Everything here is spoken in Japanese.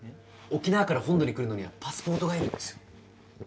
沖縄から本土に来るのにはパスポートが要るんですよ。